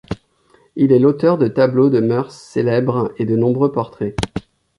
Il est l'auteur de tableaux de mœurs célèbres et de nombreux portraits.